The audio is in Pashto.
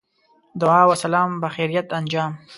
دعا و سلام بخیریت انجام.